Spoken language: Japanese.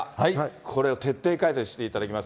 これを徹底解説していただきます